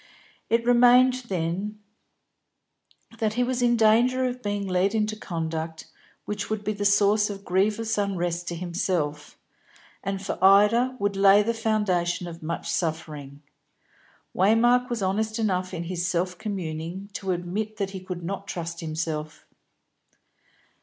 It remained, then, that he was in danger of being led into conduct which would be the source of grievous unrest to himself, and for Ida would lay the foundation of much suffering. Waymark was honest enough in his self communing to admit that he could not trust himself.